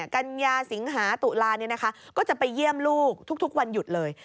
กัญญาสิงหาตุลาก็จะไปเยี่ยมลูกทุกวันหยุดเลย